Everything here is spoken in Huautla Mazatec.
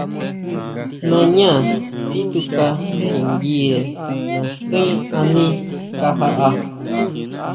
Nañá tituka tjinguire naxín aní kajaʼá.